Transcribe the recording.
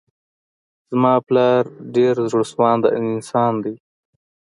زما پلار ډير زړه سوانده انسان دی.